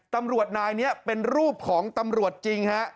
ตำรวจนายนี้เป็นรูปของตำรวจจริงฮะ